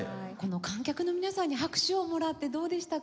観客の皆さんに拍手をもらってどうでしたか？